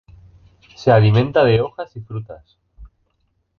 Se alimenta de hojas y frutas.